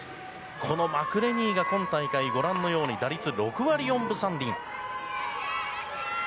このマクレニーが今大会、ご覧のように、打率６割４分３厘。